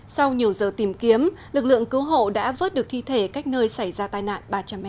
sau nhiều giờ tìm kiếm lực lượng cứu hộ đã vớt được thi thể cách nơi xảy ra tai nạn ba trăm linh m